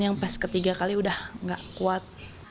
yang pas ketiga kali udah gak kuat